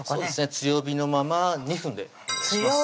強火のまま２分でお願いします